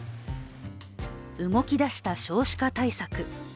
動きだした少子化対策。